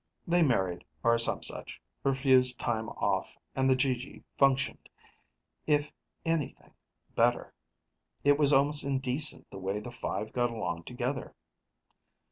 They married or some such, refused time off, and the GG functioned, if anything, better. It was almost indecent the way the five got along together.